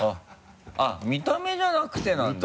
あっ見た目じゃなくてなんだ。